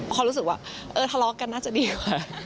เขารู้สึกว่าเออทะเลาะกันน่าจะดีกว่า